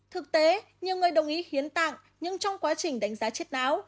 thực tế nhiều người đồng ý hiến tạng nhưng trong quá trình đánh giá chết não